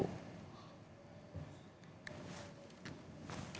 pemerintah memberikan bantuan sosial kepada masyarakat sesuai aturan yang berlaku